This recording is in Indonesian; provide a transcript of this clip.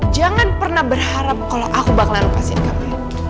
jangan pernah berharap kalau aku bakalan lepasin kamu